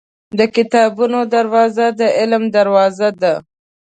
• د کتابتون دروازه د علم دروازه ده.